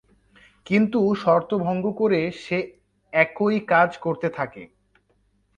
কিন্তু শর্ত ভঙ্গ করে সে একই কাজ করতে থাকে।